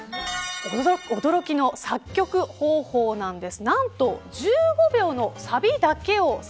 驚きの作曲方法なんです。